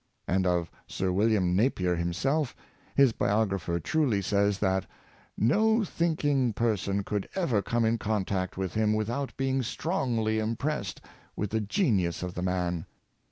And of Sir William Napier himself, his biographer truly says, that " no thinking person could ever come in contact with him, without being strongly impressed with the genius of the man."